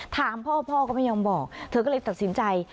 ถามพ่อพ่อก็ไม่ยอมบอกเธอก็เลยตัดสินใจ